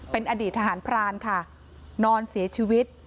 เป็นอดีตทหารพรานค่ะนอนเสียชีวิต